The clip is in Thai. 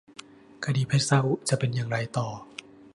คดีเพชรซาอุจะเป็นอย่างไรต่อ